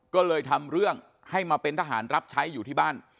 ก็เลยทำเรื่องให้มาเป็นทหารรับใช้อยู่ที่บ้าน